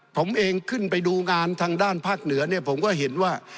ผมเองขึ้นไปดูงานทางด้านภาคเหนือเนี่ยผมก็เห็นว่า